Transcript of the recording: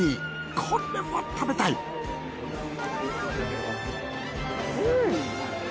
これは食べたいうん！